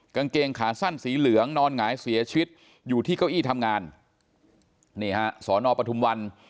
กางเกงขาสั้นสีเหลืองนอนหงายเสียชีวิตอยู่ที่เก้าอี้ทำงานนี่ฮะสอนอปทุมวัน